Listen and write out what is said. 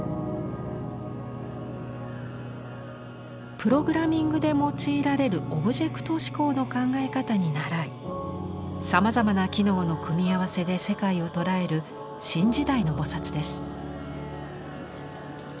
プログラミングで用いられる「オブジェクト指向」の考え方にならいさまざまな「機能」の組み合わせで世界を捉える新時代の菩です。